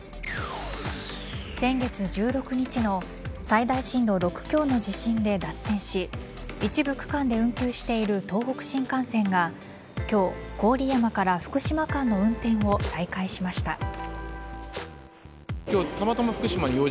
先月１６日の最大震度６強の地震で脱線し一部区間で運休している東北新幹線が今日、郡山から福島間の運転を再開しました。